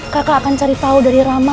kakak akan cari tahu dari rama